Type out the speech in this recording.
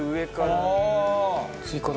追加だ。